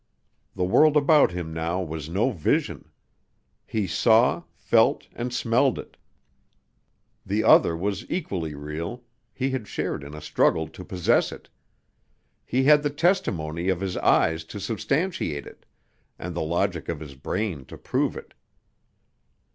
The world about him now was no vision; he saw, felt, and smelled it; the other was equally real, he had shared in a struggle to possess it, he had the testimony of his eyes to substantiate it, and the logic of his brain to prove it.